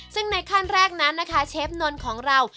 ซึ่งในขั้นแรกนั้นนะคะเชฟนนท์ของเรา